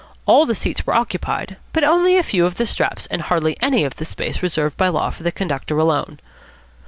All the seats were occupied, but only a few of the straps and hardly any of the space reserved by law for the conductor alone.